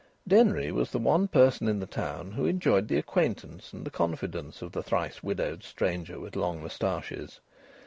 Denry was the one person in the town who enjoyed the acquaintance and the confidence of the thrice widowed stranger with long moustaches.